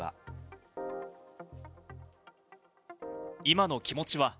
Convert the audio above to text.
今の気持ちは。